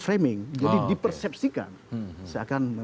framing jadi dipersepsikan